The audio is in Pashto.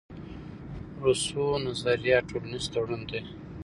روسو نظریه ټولنیز تړون دئ.